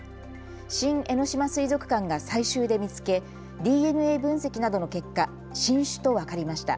新江ノ島水族館が採集で見つけＤＮＡ分析などの結果、新種と分かりました。